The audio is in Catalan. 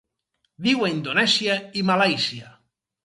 Viu a Indonèsia i Malàisia.